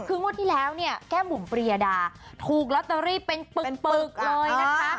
คืองวดที่แล้วเนี่ยแก้มบุ๋มปริยดาถูกลอตเตอรี่เป็นปึกเลยนะคะ